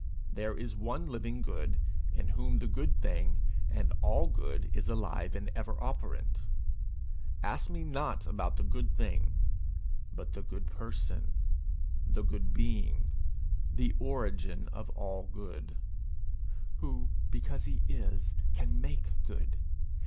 There is one living good, in whom the good thing, and all good, is alive and ever operant. Ask me not about the good thing, but the good person, the good being the origin of all good' who, because he is, can make good.